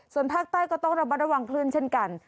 ส่วนภาคใต้ก็ต้องระมัดระวังคลื่นเช่นกัน